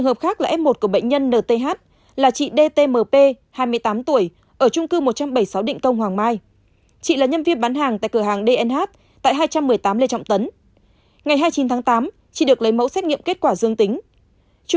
ngày hai mươi chín tháng tám anh đến bệnh viện thăng long làm xét nghiệm kết quả dương tính